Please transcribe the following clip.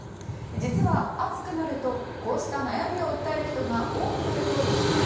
実は暑くなると、こうした悩みを訴える人が多くなるといいます。